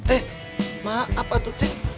eh maaf apa tuh teh